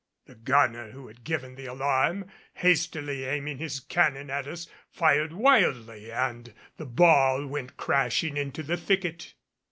The gunner who had given the alarm, hastily aiming his cannon at us, fired wildly and the ball went crashing into the thicket.